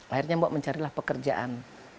akhirnya mbak mencarilah pekerjaan